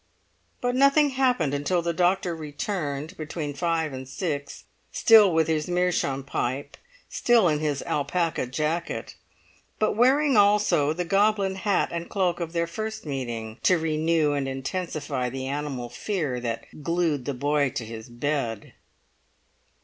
But nothing happened until the doctor returned between five and six, still with his meerschaum pipe, still in his alpaca jacket, but wearing also the goblin hat and cloak of their first meeting, to renew and intensify the animal fear that glued the boy to his bed.